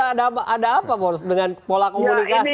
ada apa dengan pola komunikasi